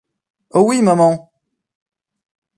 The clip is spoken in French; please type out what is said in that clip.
Oh oui, maman.